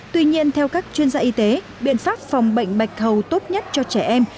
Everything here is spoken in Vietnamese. tuy nhiên theo các chuyên gia y tế biện pháp phòng bệnh bạch hầu tốt nhất cho trẻ em